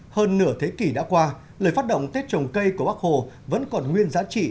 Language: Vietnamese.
hơn nửa thế kỷ đã qua lời phát động tết trồng cây của bắc hồ vẫn còn nguyên giá trị